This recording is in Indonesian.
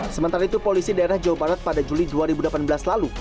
sementara itu polisi daerah jawa barat pada juli dua ribu delapan belas lalu